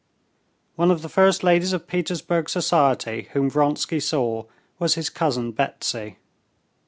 One of the first ladies of Petersburg society whom Vronsky saw was his cousin Betsy.